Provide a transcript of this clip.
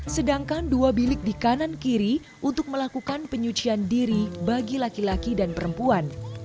sedangkan dua bilik di kanan kiri untuk melakukan penyucian diri bagi laki laki dan perempuan